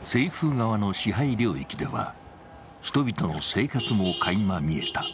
政府側の支配領域では人々の生活もかいま見えた。